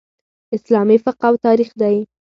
اسلامي فقه او تاریخ دئ.